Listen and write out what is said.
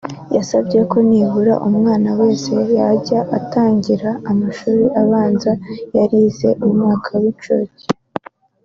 yasabye ko nibura umwana wese yajya atangira amashuri abanza yarize umwaka w’incuke